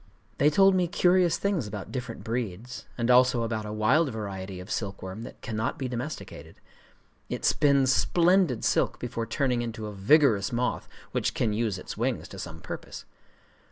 They told me curious things about different breeds, and also about a wild variety of silkworm that cannot be domesticated:—it spins splendid silk before turning into a vigorous moth which can use its wings to some purpose.